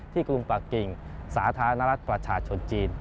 กรุงปากกิ่งสาธารณรัฐประชาชนจีน